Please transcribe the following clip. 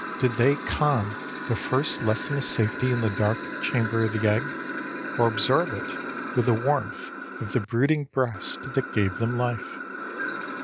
Did they con the first lesson of safety in the dark chamber of the egg, or absorb it with the warmth of the brooding breast that gave them life?